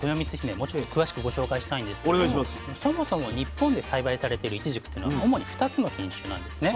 もうちょっと詳しくご紹介したいんですけれどもそもそも日本で栽培されてるいちじくっていうのは主に２つの品種なんですね。